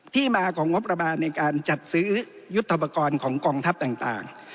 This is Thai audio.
ที่มาของงบประมาณในการจัดซื้อยุทธปกรณ์ของกองทัพต่าง